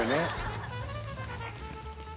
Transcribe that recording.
すいません。